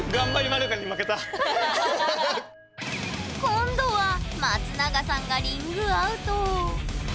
今度は松永さんがリングアウト。